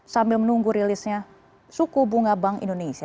sambil menunggu rilisnya suku bunga bank indonesia